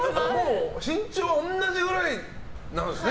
身長は同じぐらいなんですね。